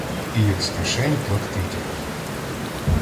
І як з кишень платки тягли.